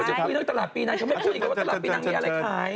นึกว่าจะไปที่ตลาดปีนังเขาไม่พูดอีกว่าตลาดปีนังมีอะไรขาย